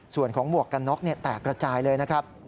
ส่วนของหมวกกันน็อกแตกระจายเลยนะครับ